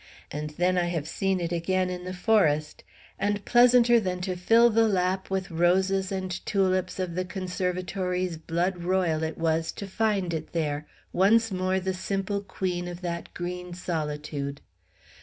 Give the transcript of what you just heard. And then I have seen it again in the forest; and pleasanter than to fill the lap with roses and tulips of the conservatory's blood royal it was to find it there, once more the simple queen of that green solitude.